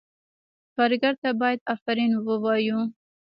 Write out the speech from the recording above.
کارګر ته باید آفرین ووایو.